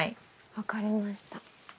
分かりました。